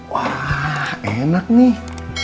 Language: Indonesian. wah enak nih